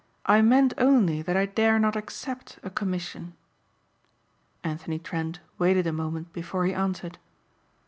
I meant only that I dare not accept a commission." Anthony Trent waited a moment before he answered.